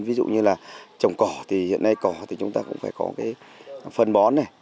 ví dụ như là trồng cỏ thì hiện nay cỏ thì chúng ta cũng phải có cái phân bón này